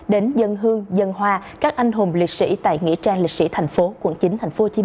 đến dân hương dân hoa các anh hùng liệt sĩ tại nghĩa trang liệt sĩ thành phố quận chín tp hcm